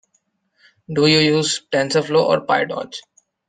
Do you use Tensorflow or Pytorch?